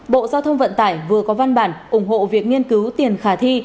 bộ giao thông vận tải vừa có văn bản ủng hộ việc nghiên cứu tiền khả thi